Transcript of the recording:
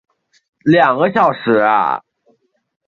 模范邨其后由香港房屋委员会接管。